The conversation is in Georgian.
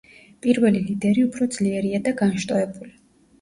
პირველი ლიდერი უფრო ძლიერია და განშტოებული.